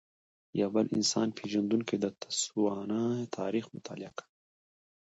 یو بل انسان پېژندونکی د تسوانا تاریخ مطالعه کړی.